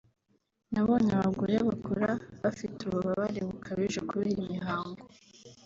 nabonye abagore bakora bafite ububabare bukabije kubera imihango